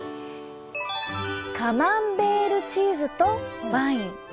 カマンベールチーズとワイン。